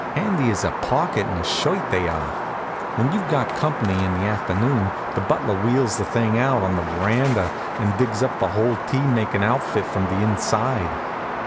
Handy as a pocket in a shirt, they are. When you've got company in the afternoon the butler wheels the thing out on the veranda and digs up a whole tea makin' outfit from the inside.